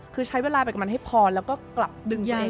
คือใช้เวลาไปกับมันให้พอแล้วก็กลับดึงตัวเองกับมัน